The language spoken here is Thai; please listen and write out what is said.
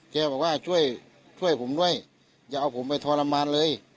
แกบอกว่าช่วยช่วยผมด้วยอย่าเอาผมไปทรมานเลย